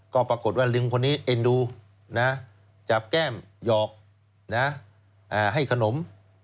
ก็ปรากฏว่าลิงคนนี้เอ็นดูนะจับแก้มหยอกให้ขนม